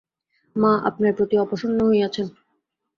মা, আপনার প্রতি অপ্রসন্ন হইয়াছেন।